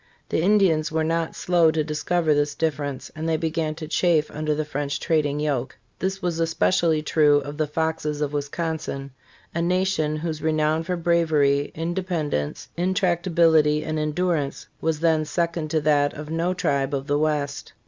The Indians were not slow to discover this difference, and they began to chafe under the French trading yoke. This was especi ally true of the Foxes of Wisconsin, a nation whose renown for bravery, in dependence, intractability and endurance was then second to that of no tribe of the West.